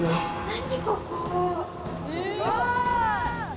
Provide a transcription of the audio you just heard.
何ここ。